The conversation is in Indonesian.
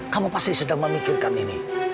kamu pasti sedang memikirkan ini